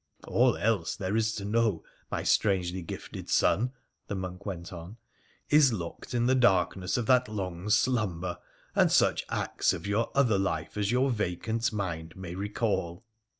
All else there is to know, my strangely gifted son,' the monk went on, ' is locked in the dark ness of that long slumber, and such acts of your other life a3 your vacant mind may recall.'